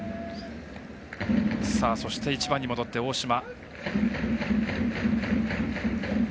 そして、１番に戻って大島。